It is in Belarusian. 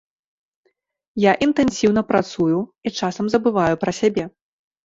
Я інтэнсіўна працую і часам забываю пра сябе.